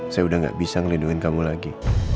saya udah gak bisa ngelindungin kamu lagi